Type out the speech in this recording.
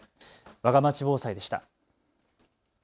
わがまち防災でした。